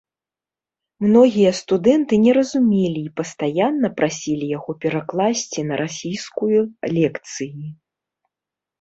Многія студэнты не разумелі і пастаянна прасілі яго перакласці на расійскую лекцыі.